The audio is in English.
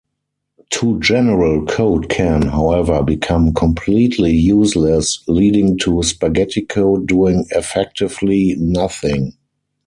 Too-general code can, however, become completely useless, leading to spaghetti code doing effectively nothing.